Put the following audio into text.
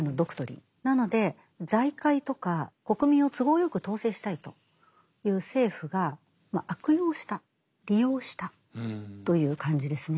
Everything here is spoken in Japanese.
なので財界とか国民を都合よく統制したいという政府が悪用した利用したという感じですね。